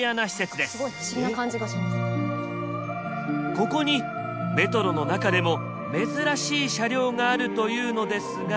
ここにメトロの中でも珍しい車両があるというのですが。